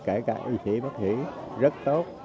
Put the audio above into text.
kể cả y sĩ bác sĩ rất tốt